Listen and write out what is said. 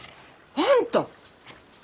あんた！